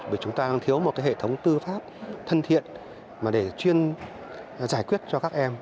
vì chúng ta đang thiếu một cái hệ thống tư pháp thân thiện mà để chuyên giải quyết cho các em